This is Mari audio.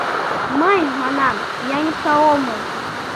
Мый, манам, пьяница омыл...